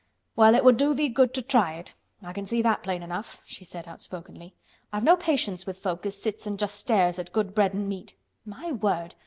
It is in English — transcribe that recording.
"Well, it would do thee good to try it. I can see that plain enough," she said outspokenly. "I've no patience with folk as sits an' just stares at good bread an' meat. My word!